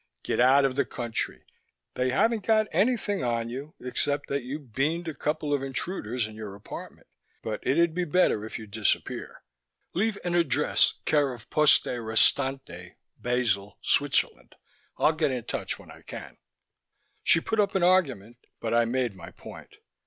Get out of the country. They haven't got anything on you except that you beaned a couple of intruders in your apartment, but it'll be better if you disappear. Leave an address care of Poste Restante, Basel, Switzerland. I'll get in touch when I can." She put up an argument but I made my point.